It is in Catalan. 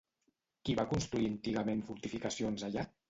Qui va construir antigament fortificacions allà?